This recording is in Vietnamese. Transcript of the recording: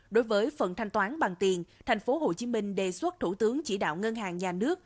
đối với phần thanh toán bằng tiền tp hcm đề xuất thủ tướng chỉ đạo ngân hàng nhà nước